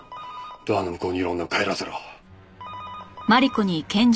ドアの向こうにいる女を帰らせろ。